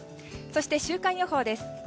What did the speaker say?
そして、週間予報です。